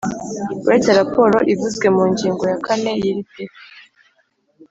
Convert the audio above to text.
Uretse raporo ivuzwe mu ngingo ya kane y’iri teka